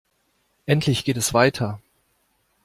Endlich geht es weiter!